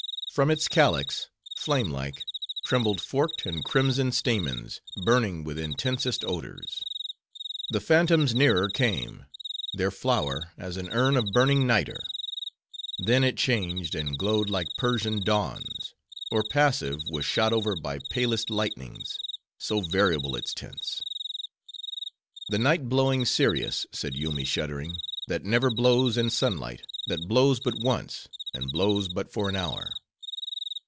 From its calyx, flame like, trembled forked and crimson stamens, burning with intensest odors. The phantoms nearer came; their flower, as an urn of burning niter. Then it changed, and glowed like Persian dawns; or passive, was shot over by palest lightnings;—so variable its tints. "The night blowing Cereus!" said Yoomy, shuddering, "that never blows in sun light; that blows but once; and blows but for an hour.